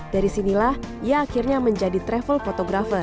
dari sinilah ia akhirnya menjadi travel photographer